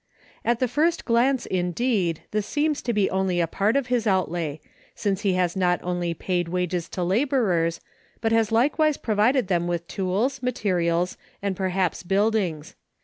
At the first glance, indeed, this seems to be only a part of his outlay, since he has not only paid wages to laborers, but has likewise provided them with tools, materials, and perhaps buildings.